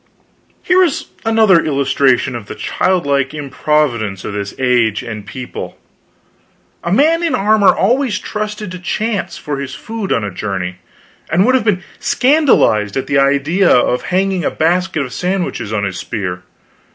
Here was another illustration of the childlike improvidence of this age and people. A man in armor always trusted to chance for his food on a journey, and would have been scandalized at the idea of hanging a basket of sandwiches on his spear.